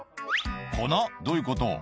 どういうこと？」